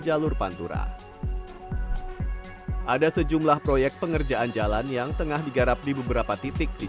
jalur pantura ada sejumlah proyek pengerjaan jalan yang tengah digarap di beberapa titik di